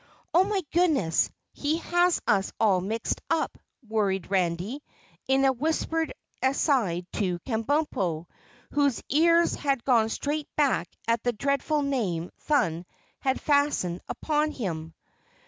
"Oh, my goodness! He has us all mixed up," worried Randy in a whispered aside to Kabumpo, whose ears had gone straight back at the dreadful name Thun had fastened upon him.